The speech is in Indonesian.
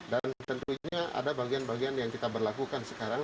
dan tentunya ada bagian bagian yang kita berlakukan sekarang